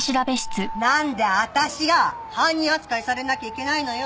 なんで私が犯人扱いされなきゃいけないのよ。